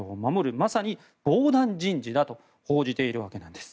まさに防弾人事だと報じているわけなんです。